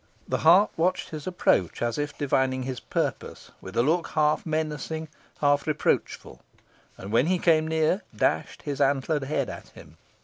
The hart watched his approach, as if divining his purpose, with a look half menacing, half reproachful, and when he came near, dashed his antlered head at him.